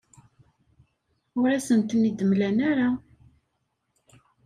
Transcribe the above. Ur asent-ten-id-mlan ara.